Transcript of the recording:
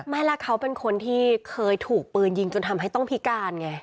ไม่แล้วเขาเป็นคนที่เคยถูกปืนยิงจนทำให้ต้องพิการไง